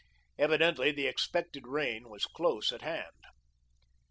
Evidently the expected rain was close at hand.